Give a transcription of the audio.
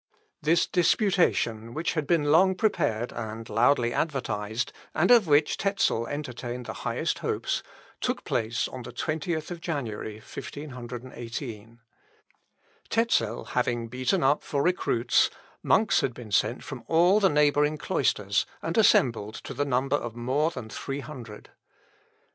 This disputation, which had been long prepared and loudly advertised, and of which Tezel entertained the highest hopes, took place on the 20th January, 1518. Tezel having beaten up for recruits, monks had been sent from all the neighbouring cloisters, and assembled to the number of more than three hundred.